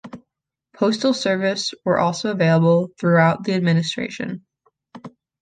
Postal service were also available throughout the administration.